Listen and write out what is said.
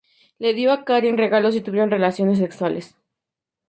Le dio a Karin regalos y tuvieron relaciones sexuales.